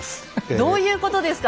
どういうことですか！